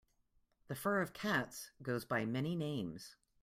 The fur of cats goes by many names.